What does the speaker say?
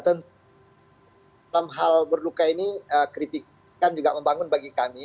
tentang hal berduka ini kritikan juga membangun bagi kami